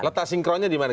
letak sinkronnya di mana